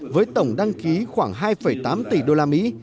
với tổng đăng ký khoảng hai tám tỷ đô la mỹ